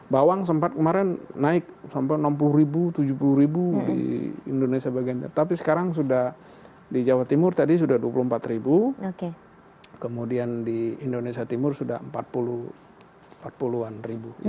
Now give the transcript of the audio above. bawang sempat kemarin naik sampai enam puluh ribu tujuh puluh ribu di indonesia bagiannya tapi sekarang sudah di jawa timur tadi sudah dua puluh empat ribu kemudian di indonesia timur sudah empat puluh an ribu